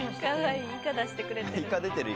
イカ出してくれてる。